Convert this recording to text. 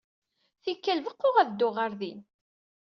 Tikkal, beɣɣuɣ ad dduɣ ɣer din.